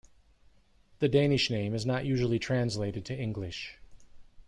The Danish name is not usually translated to English.